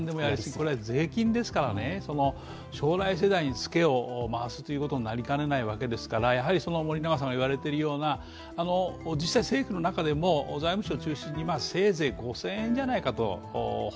これは税金ですからね、将来世代にツケを回すことになりかねないのでやはり森永さんが言われてるような、実際、政府の中でも財務省を中心に、補助はせいぜい５０００円じゃないかと。